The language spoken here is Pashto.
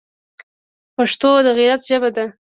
پښتو د غیرت ژبه ده